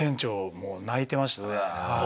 もう泣いてましたね。